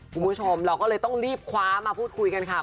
คุณผู้ชมเราก็เลยต้องรีบคว้ามาพูดคุยกันค่ะ